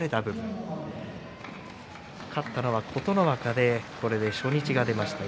勝ったのは琴ノ若でこれで初日が出ました。